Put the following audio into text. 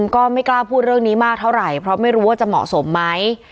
ก็ไม่กล้าพูดเรื่องนี้มากเท่าไหร่เพราะไม่รู้ว่าจะเหมาะสมไหม